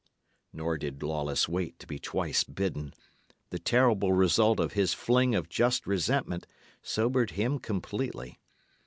Nor did Lawless wait to be twice bidden. The terrible result of his fling of just resentment sobered him completely.